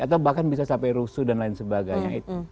atau bahkan bisa sampai rusuh dan lain sebagainya